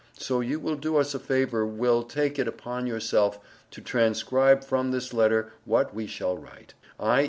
So you will do us a favour will take it upon yourself to transcribe from this letter what we shall write. I.